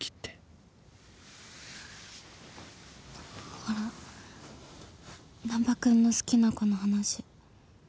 ほら難破君の好きな子の話。